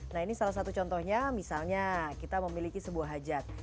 nah ini salah satu contohnya misalnya kita memiliki sebuah hajat